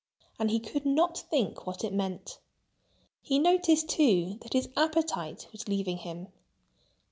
And he could not think what it meant. He noticed, too, that his appetite was leaving him.